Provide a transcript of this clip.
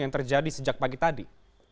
yang terjadi sejak pagi tadi